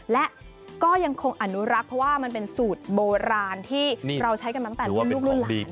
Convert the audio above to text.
และก็ยังคงอนุรักษ์เพราะว่ามันเป็นสูตรโบราณที่เราใช้กันมาตั้งแต่รุ่นลูกรุ่นหลาน